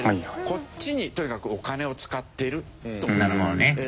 こっちにとにかくお金を使ってるという。